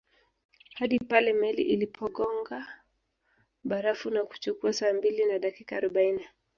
Hadi pale meli ilipogonga barafu na kuchukua saa mbili na dakika arobaini